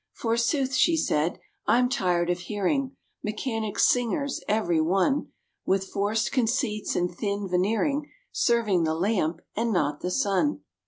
"Forsooth," she said, "I'm tired of hearing Mechanic singers, every one, With forced conceits and thin veneering, Serving the lamp, and not the sun."